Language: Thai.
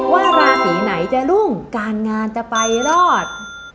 ว่าราศีไหนจะรุ่งการงานจะไปรอด